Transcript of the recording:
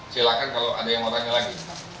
silahkan kalau ada yang mau tanya lagi